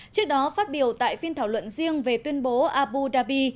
trước đó phát biểu tại phiên thảo luận riêng về tuyên bố abu dhabi